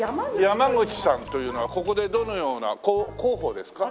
山口さんというのはここでどのような広報ですか？